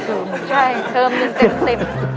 ใช่เทอม๑เต็ม